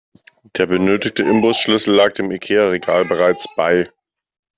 Der benötigte Imbusschlüssel lag dem Ikea-Regal bereits bei.